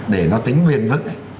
để nó tính nguyên vững